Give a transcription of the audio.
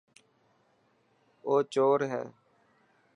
او چور هي.